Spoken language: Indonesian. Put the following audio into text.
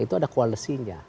itu ada kualisinya